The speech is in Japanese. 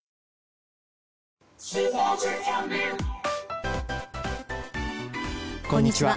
こんにちは。